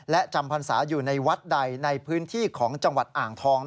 และจำพรรษาอยู่ในวัดใดในพื้นที่ของจังหวัดอ่างทอง